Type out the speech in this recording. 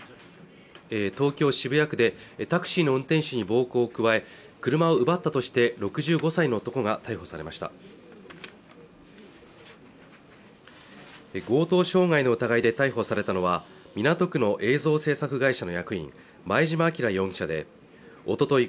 東京渋谷区でタクシーの運転手に暴行を加え車を奪ったとして６５歳の男が逮捕されました強盗傷害の疑いで逮捕されたのは港区の映像制作会社の役員前嶋輝容疑者でおととい